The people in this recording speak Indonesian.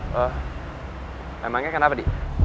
soalnya gue telponin dia dari tadi gak bisa